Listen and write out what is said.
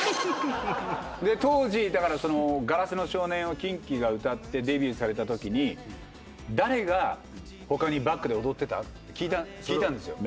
当時『硝子の少年』をキンキが歌ってデビューされたときに誰が他にバックで踊ってた？って聞いたんですよ。